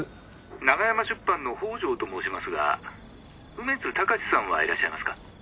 ☎長山出版の北條と申しますが梅津貴司さんはいらっしゃいますか？